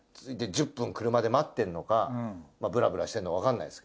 １０分車で待ってるのかブラブラしてるのかわかんないです。